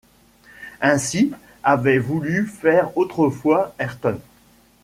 Ainsi avait voulu faire autrefois Ayrton